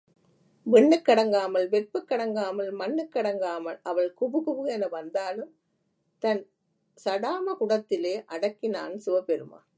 விண்ணுக் கடங்காமல் வெற்புக் கடங்காமல் மண்ணுக்கடங்காமல்... அவள் குபுகுபு என வந்தாலும் தன் சடாமகுடத்திலே அடக்கினான் சிவபெருமான்.